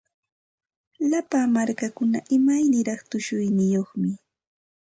Llapa markakuna imaniraq tushuyniyuqmi.